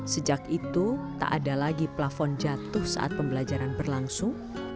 sejak itu tak ada lagi plafon jatuh saat pembelajaran berlangsung